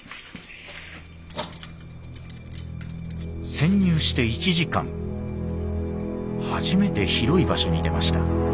潜入して１時間初めて広い場所に出ました。